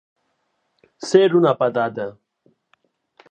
Ser una patata.